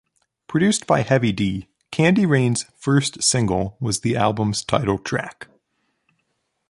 Produced by Heavy D, "Candy Rain"'s first single was the album's title track.